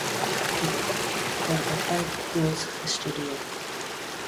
Ek het vir ’n tyd Pools gestudeer